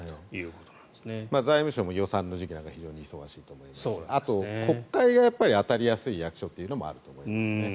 財務省も予算の時期は非常に忙しいと思いますしあと、国会が当たりやすい役所っていうのもあると思いますね。